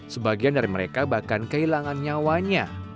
sebagian dari mereka bahkan kehilangan nyawanya